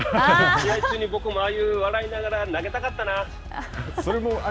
試合中に僕もああいう笑いながら投げたかったなあ。